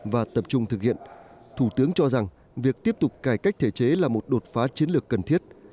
và tập trung thực hiện thủ tướng cho rằng việc tiếp tục cải cách thể chế là một đột phá chiến lược cần thiết